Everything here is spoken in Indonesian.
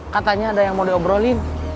katanya ada yang mau diobrolin